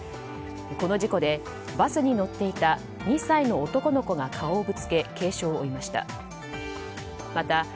この事故でバスに乗っていた２歳の男の子が顔をぶつけ軽傷を負いました。